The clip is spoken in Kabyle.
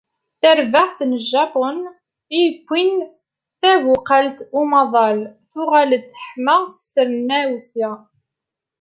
Tarbaεt n Japun i yewwin tabuqalt Umaḍal, tuɣal-d teḥma s trennawt-a.